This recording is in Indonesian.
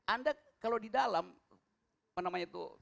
anda kalau di dalam